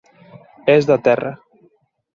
Es da Terra.